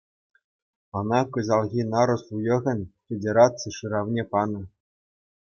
Ӑна кӑҫалхи нарӑс уйӑхӗн федераци шыравне панӑ.